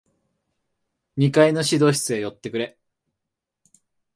二階の指導室へ寄ってくれ。